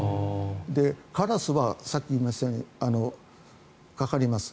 カラスはさっき言いましたようにかかります。